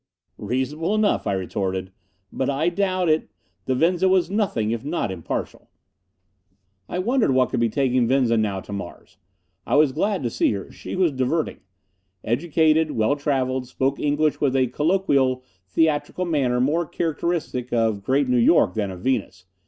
"Reasonable enough," I retorted. "But I doubt it the Venza was nothing if not impartial." I wondered what could be taking Venza now to Mars. I was glad to see her. She was diverting. Educated. Well traveled. Spoke English with a colloquial, theatrical manner more characteristic of Great New York than of Venus.